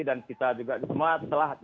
dan kita juga semua telah